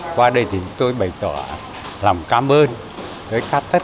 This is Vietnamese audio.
qua đây thì tôi bày tỏ lòng cảm ơn với tất cả các đồng chí trong đoàn